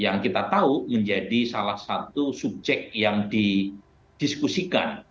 yang kita tahu menjadi salah satu subjek yang didiskusikan